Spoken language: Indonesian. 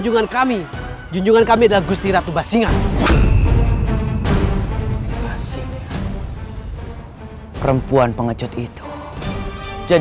sugira lalu ras pessoa